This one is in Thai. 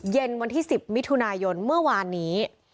วันที่๑๐มิถุนายนเมื่อวานนี้